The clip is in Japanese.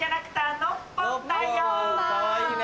かわいいね。